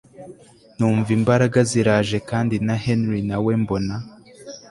numva imbaraga ziraje kandi na Henry nawe mbona